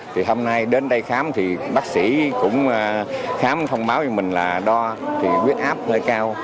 thì hôm nay đến đây khám thì bác sĩ cũng khám thông báo cho mình là đo thì quyết áp hơi cao